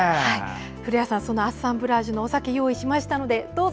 古谷さんそのアッサンブラージュのお酒を用意しましたのでどうぞ。